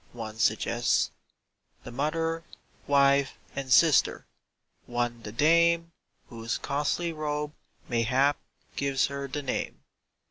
One suggests The Mother, Wife, and Sister! One the dame Whose costly robe, mayhap, gives her the name.